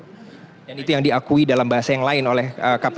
dan itu yang diakui dalam bahasa yang lain oleh kpu